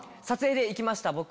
撮影で行きました。